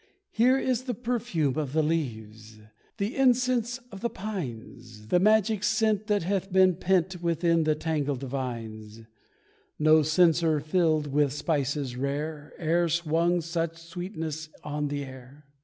Here is the perfume of the leaves, the incense of the pines The magic scent that hath been pent Within the tangled vines: No censor filled with spices rare E'er swung such sweetness on the air.